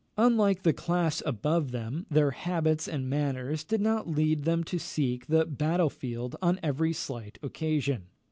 Unlike the class above them, their habits and manners did not lead them to seek the battle field on every slight occasion.